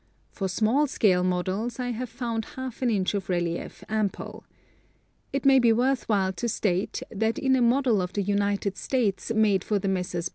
For small scale models I have found half an inch of relief ample. It may be worth while to state that in a model of the United States made for the Messrs.